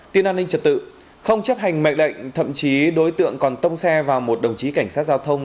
tin an ninh trật tự không chấp hành mệnh lệnh thậm chí đối tượng còn tông xe vào một đồng chí cảnh sát giao thông